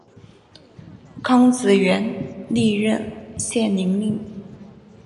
康子元历任献陵令。